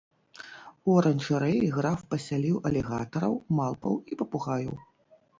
У аранжарэі граф пасяліў алігатараў, малпаў і папугаяў.